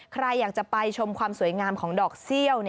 ใครอยากจะไปชมความสวยงามของดอกเซี่ยว